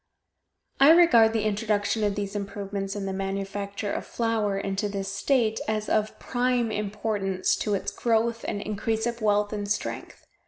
I regard the introduction of these improvements in the manufacture of flour into this state as of prime importance to its growth and increase of wealth and strength.